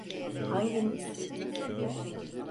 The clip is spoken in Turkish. Hanginiz?